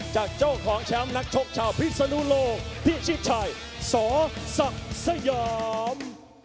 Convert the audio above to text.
จากเจ้าของแชมป์นักชกชาวพิสนุโลกพี่ชิดชายสอสักสยาม